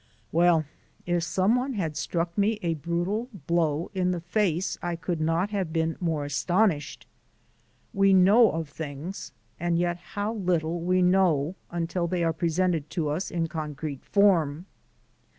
Well, if some one had struck me a brutal blow in the face I could not have been more astonished. We know of things! and yet how little we know until they are presented to us in concrete form.